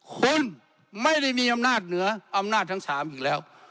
คุณไม่ได้มีอำนาจเหนืออำนาจทั้ง๓อีกแล้ว